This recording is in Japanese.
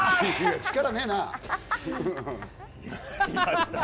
力ねえな。